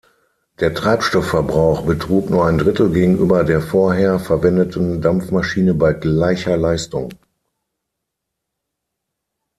Der Treibstoffverbrauch betrug nur ein Drittel gegenüber der vorher verwendeten Dampfmaschine bei gleicher Leistung.